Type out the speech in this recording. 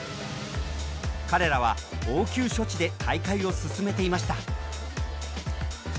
彼らは応急処置で大会を進めていました。